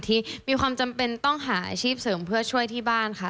ที่มีความจำเป็นต้องหาอาชีพเสริมเพื่อช่วยที่บ้านค่ะ